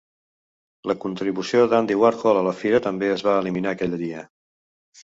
La contribució d'Andy Warhol a la fira també es va eliminar aquell dia.